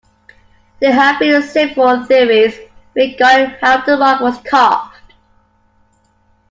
There have been several theories regarding how the rock was carved.